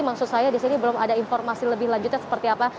maksud saya di sini belum ada informasi lebih lanjutnya seperti apa